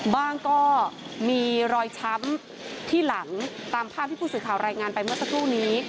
ก็มีรอยช้ำที่หลังตามภาพที่ผู้สื่อข่าวรายงานไปเมื่อสักครู่นี้